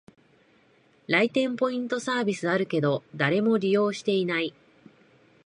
来店ポイントサービスあるけど、誰も利用してない